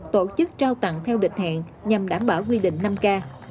tổ chức trao tặng theo định hẹn nhằm đảm bảo quy định năm k